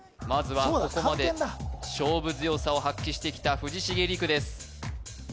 ここまで勝負強さを発揮してきた藤重吏玖です